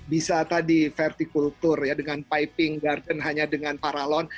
bisa tadi vertikultur ya dengan piping garden hanya dengan paralon